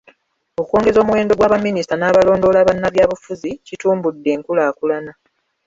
Okwongeza omuwendo gwa baminisita n’abalondoola bannabyabufuzi, kitumbudde enkulaakulana.